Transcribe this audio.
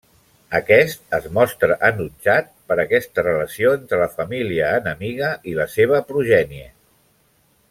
Aquest es mostra enutjat per aquesta relació entre la família enemiga i la seva progènie.